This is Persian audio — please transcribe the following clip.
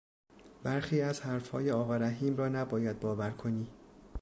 برخی از حرفهای آقا رحیم را نباید باور کنی!